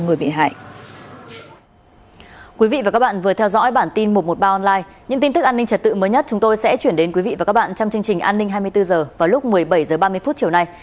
thưa quý vị và các bạn vừa theo dõi bản tin một trăm một mươi ba online những tin tức an ninh trật tự mới nhất chúng tôi sẽ chuyển đến quý vị và các bạn trong chương trình an ninh hai mươi bốn h vào lúc một mươi bảy h ba mươi chiều nay